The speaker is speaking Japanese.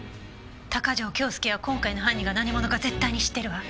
鷹城京介は今回の犯人が何者か絶対に知っているわ。